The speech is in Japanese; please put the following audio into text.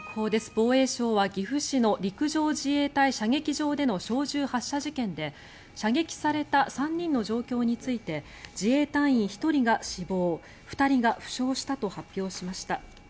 防衛省は岐阜市の陸上自衛隊射撃場での小銃発射事件で射撃された３人の状況について自衛隊員１人が死亡２人が負傷したと発表しました。